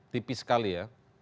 tipis sekali ya